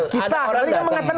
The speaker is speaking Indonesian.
kita masa kita diganggu terus